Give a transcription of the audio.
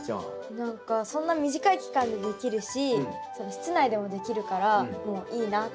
何かそんな短い期間でできるし室内でもできるからもういいなって思いました。